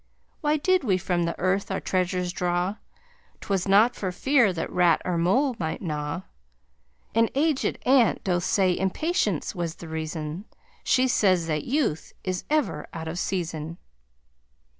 Why did we from the earth our treasures draw? Twas not for fear that rat or mole might naw, An aged aunt doth say impatience was the reason, She says that youth is ever out of season.